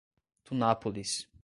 Tunápolis